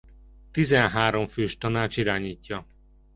Tizenhárom fős tanács irányítja.